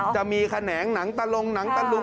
จะมีแขนงหนังตะลงหนังตะลุง